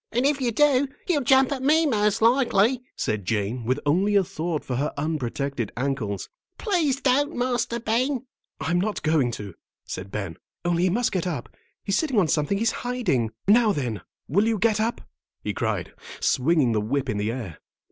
"And if you do, he'll jump at me, most likely," said Jane, with only a thought for her unprotected ankles. "Please don't, Master Ben." "I'm not going to," said Ben, "only he must get up. He's sitting on something he's hiding. Now, then, will you get up?" he cried, swinging the whip in the air.